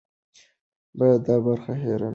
باید دا برخه هېره نه کړو.